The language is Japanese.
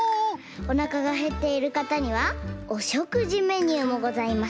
おなかがへっているかたにはおしょくじメニューもございます。